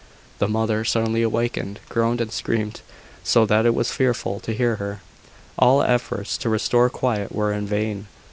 The mother, suddenly awakened, groaned and screamed, so that it was fearful to hear her. All efforts to restore quiet were in vain.